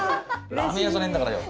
ラーメン屋じゃねえんだからよ。